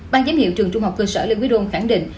ban giám hiệu trường trung học cơ sở lê quý đôn tp hcm khẳng định